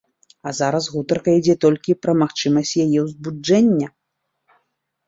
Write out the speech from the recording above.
А зараз гутарка ідзе толькі пра магчымасць яе ўзбуджэння.